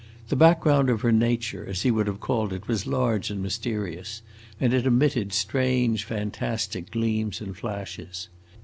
The background of her nature, as he would have called it, was large and mysterious, and it emitted strange, fantastic gleams and flashes.